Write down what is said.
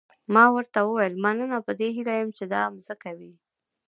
ما ورته وویل مننه په دې هیله یم چې دا مځکه وي.